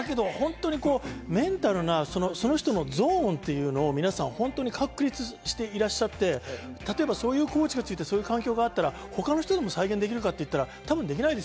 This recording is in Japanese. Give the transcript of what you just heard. メンタルが、その人のゾーンっていうのを皆さん確立していらっしゃって、そういうコーチがついて、そういう環境があったら他の人でも再現できるかといったら多分できない。